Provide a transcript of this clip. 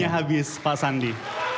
waktunya habis pak sandi